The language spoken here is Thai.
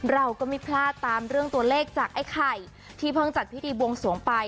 เราก็ไม่พลาดตามเรื่องตัวเลขจากไอ้ไข่ที่เพิ่งจัดพิธีบวงสวงไป